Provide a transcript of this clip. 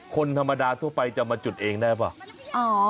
คนธรรมดาทั่วไปจะมาจุดเองได้ป่ะ